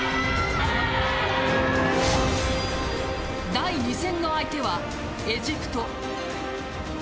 第２戦の相手はエジプト。